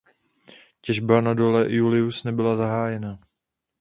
Těžba na dole Julius nebyla zahájena.